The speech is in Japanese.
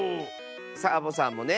サボさんもね！